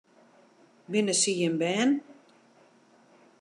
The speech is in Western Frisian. Binne sy jim bern?